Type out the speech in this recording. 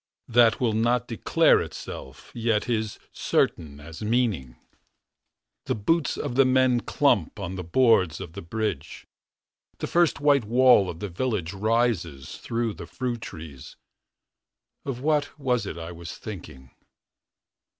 That will not declare itself Yet is certain as meaning ... The boots of the men clump On the boards of the bridge. The first white wall of the village Rises through fruit trees. Of what was it I was thinking?